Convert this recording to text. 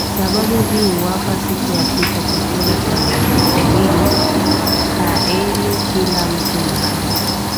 sababu hii huwapa siku ya sita chakula cha siku mbili kaeni kila mtu mahali